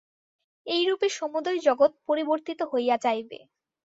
এইরূপে সমুদয় জগৎ পরিবর্তিত হইয়া যাইবে।